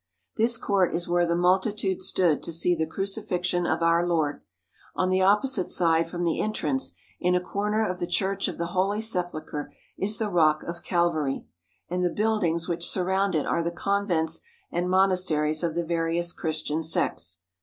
This court is where the multitude stood to see the crucifixion of our Lord. On the opposite side from the entrance, in a corner of the Church of the Holy Sepulchre, is the Rock of Calvary, and the buildings which surround it are the convents and monasteries of the various Chris tian sects.